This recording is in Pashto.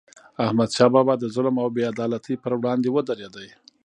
احمد شاه بابا د ظلم او بې عدالتی پر وړاندې ودرید.